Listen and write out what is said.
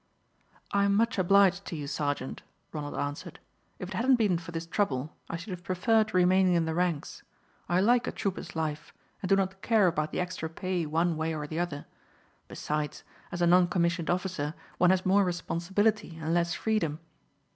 "I am much obliged to you, sergeant," Ronald answered. "If it hadn't been for this trouble I should have preferred remaining in the ranks. I like a trooper's life and do not care about the extra pay one way or the other. Besides, as a non commissioned officer one has more responsibility and less freedom.